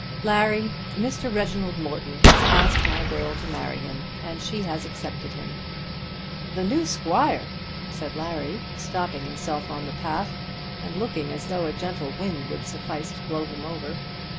"Larry, Mr. Reginald Morton has asked my girl to marry him, and she has accepted him." "The new squire!" said Larry, stopping himself on the path, and looking as though a gentle wind would suffice to blow him over.